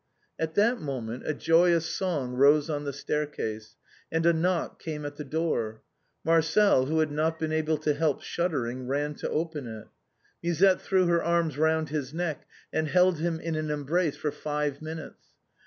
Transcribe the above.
At that moment a joyous song rose on the staircase, and a knock came at the door. Marcel, who had not been able to help shuddering, ran to open it. Musette threw her arms round his neck and held him in an embrace for five minutes.